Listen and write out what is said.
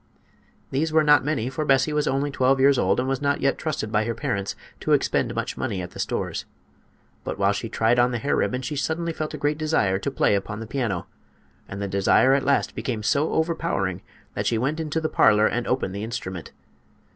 These were not many, for Bessie was only twelve years old and was not yet trusted by her parents to expend much money at the stores. But while she tried on the hair ribbon she suddenly felt a great desire to play upon the piano, and the desire at last became so overpowering that she went into the parlor and opened the instrument.